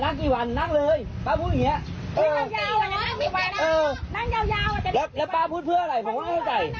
นั่งยาวยาวแล้วป้าพูดเพราะอะไรผมไม่ว่างเข้าใจ